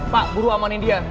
pak buru amanin dia